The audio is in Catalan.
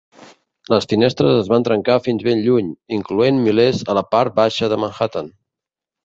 Les finestres es van trencar fins ben lluny, incloent milers a la part baixa de Manhattan.